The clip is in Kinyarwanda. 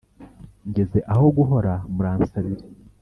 ngeze aho guhora muransabire.